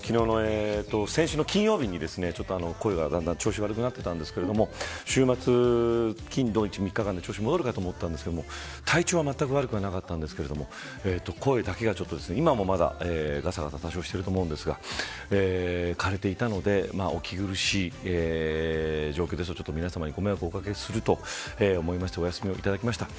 先週の金曜日にちょっと声がだんだん調子悪くなっていたんですけど週末、金土日、３日間で調子戻るかと思ったんですけど体調はまったく悪くはなかったんですが声だけが、今もまだガサガサ多少してると思うんですが枯れていたのでお聞き苦しい状況で、皆さまにご迷惑をおかけすると思いましてお休みをいただきました。